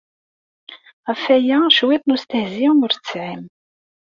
Ɣef waya cwiṭ n ustehzi ur tesɛin.